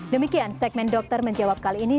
demikian segmen dokter menjawab kali ini